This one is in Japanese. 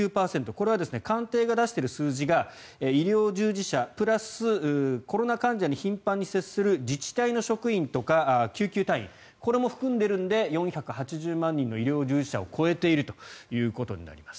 これは官邸が出している数字が医療従事者プラス、コロナ患者に頻繁に接する自治体の職員、救急隊員これも含んでいるので４８０万人の医療従事者を超えているということになります。